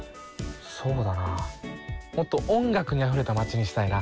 そうだなもっと音楽にあふれた町にしたいな。